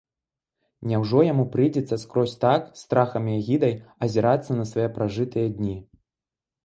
Няўжо яму прыйдзецца скрозь так, з страхам і агідай, азірацца на свае пражытыя дні!